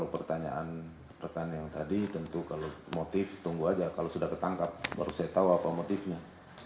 pertanyaan rekan yang tadi tentu kalau motif tunggu aja kalau sudah ketangkap baru saya tahu apa motifnya